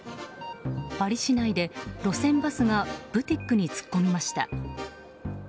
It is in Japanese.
パリ市内で路線バスがブティックに突っ込みました。